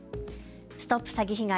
ＳＴＯＰ詐欺被害！